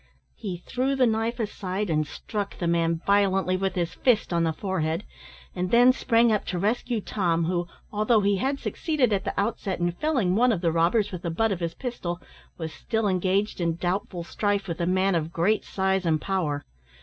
He threw the knife aside, and struck the man violently with his fist on the forehead, and then sprang up to rescue Tom who, although he had succeeded at the outset in felling one of the robbers with the butt of his pistol, was still engaged in doubtful strife with a man of great size and power.